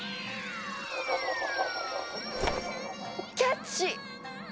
キャッチ！